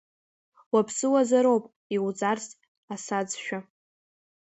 Уаԥсыуазароуп иуҵарцаз Асаӡшәа…